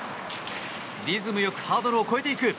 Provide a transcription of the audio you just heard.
リズムよくハードルを越えていく。